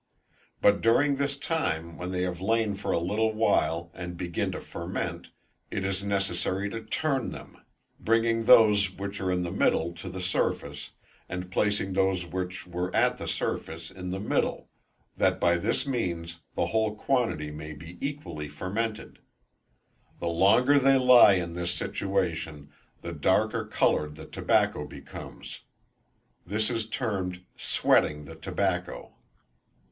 But during this time, when they have lain for a little while, and begin to ferment, it is necessary to turn them; bringing those which are in the middle to the surface, and placing those which were at the surface, in the middle, that by this means the whole quantity may be equally fermented. The longer they lie in this situation the darker coloured the tobacco becomes. This is termed "sweating the tobacco."